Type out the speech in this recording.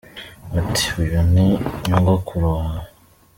Bati : uyu ni nyogokuru wawe.